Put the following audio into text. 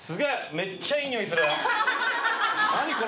めっちゃいい匂いする。